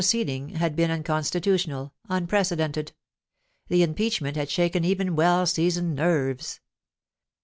413 ceeding had been unconstitutional, unprecedented The impeachment had shaken even well seasoned nerves.